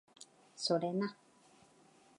それな